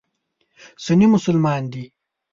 سني مسلمانان دي.